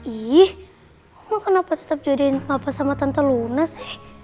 ih mah kenapa tetep jodohin papa sama tante luna sih